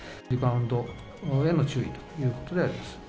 リバウンドへの注意ということであります。